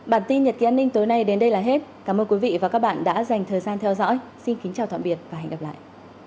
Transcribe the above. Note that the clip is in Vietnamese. bản tin nhật ký an ninh tối nay đến đây là hết cảm ơn quý vị và các bạn đã dành thời gian theo dõi xin kính chào tạm biệt và hẹn gặp lại